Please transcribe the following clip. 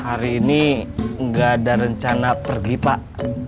hari ini nggak ada rencana pergi pak